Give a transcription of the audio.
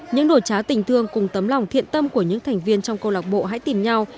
những nồi cháo tình thương cùng tấm lòng thiện tâm của những thành viên trong câu lạc bộ hải tiêm nháu